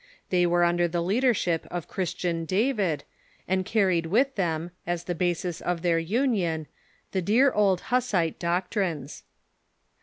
They were under the leadership of Christian David, and carried witb them, as tbe basis of tbeir union, the dear old Hussite doctrines.